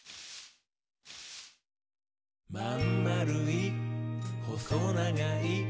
「まんまるい？ほそながい？」